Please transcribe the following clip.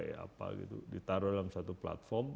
kayak apa gitu ditaruh dalam satu platform